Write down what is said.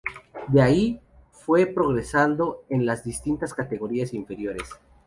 De ahí, fue progresando en las distintas categorías inferiores.